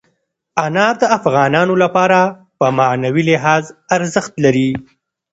انار د افغانانو لپاره په معنوي لحاظ ارزښت لري.